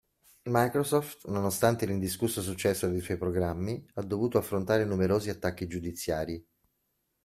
Microsoft, nonostante l'indiscusso successo dei suoi programmi, ha dovuto affrontare numerosi attacchi giudiziari.